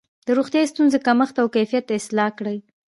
د روغتیايي ستونزو کمیت او کیفیت اصلاح کړي.